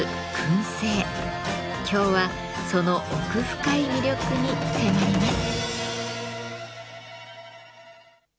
今日はその奥深い魅力に迫ります。